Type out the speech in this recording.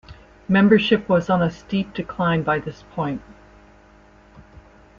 Membership was on a steep decline by this point.